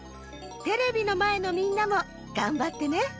テレビのまえのみんなもがんばってね。